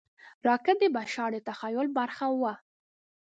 راکټ د بشر د تخیل برخه وه